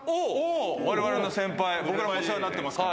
我々の先輩、僕らもお世話になってますから。